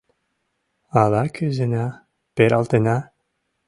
Ала кӱзена, пералтена?